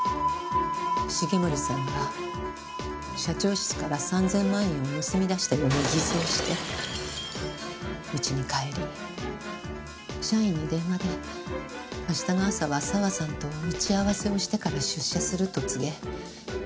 重森さんが社長室から３０００万円を盗み出したように偽装して家に帰り社員に電話で明日の朝は佐和さんと打ち合わせをしてから出社すると告げ